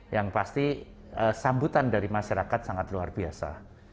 yang pasti sambutan dari masyarakat sangat luar biasa